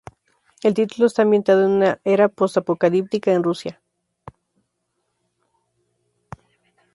El título está ambientado en una era post-apocalíptica en Rusia.